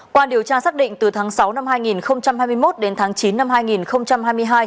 qua điều tra xác định từ tháng sáu năm hai nghìn hai mươi một đến tháng chín năm hai nghìn hai mươi hai